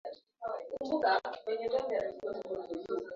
na baba zao Ndivyo mwenyewe alivyosali katika Roho Mtakatifu